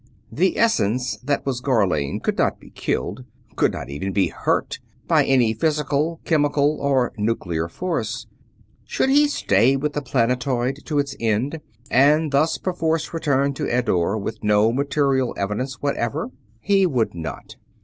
The essence that was Gharlane could not be killed could not even be hurt by any physical, chemical, or nuclear force. Should he stay with the planetoid to its end, and thus perforce return to Eddore with no material evidence whatever? He would not.